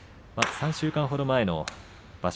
３週間ほど前の場所